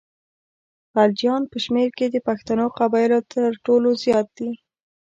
غلجیان په شمېر کې د پښتنو قبایلو تر ټولو زیات دي.